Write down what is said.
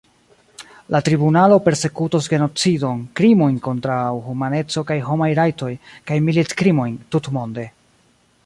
La tribunalo persekutos genocidon, krimojn kontraŭ humaneco kaj homaj rajtoj kaj militkrimojn, tutmonde.